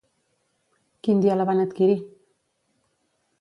Quin dia la van adquirir?